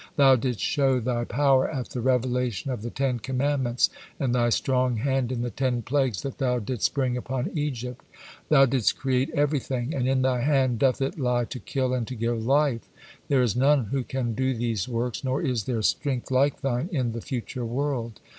Thou didst show Thy power at the revelation of the Ten Commandments, and thy strong hand in the ten plagues that Thou didst bring upon Egypt. Thou didst create everything, and in Thy hand doth it lie to kill and to give life, there is none who can do these works, nor is there strength like Thine in the future world.